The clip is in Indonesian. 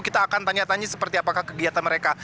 kita akan tanya tanya seperti apakah kegiatan mereka